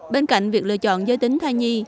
bên cạnh việc lựa chọn giới tính thai nhi